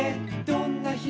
どんな人？」